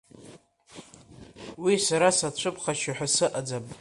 Уи сара сацәыԥхашьо ҳәа сыҟаӡам.